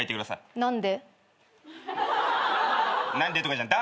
「何で」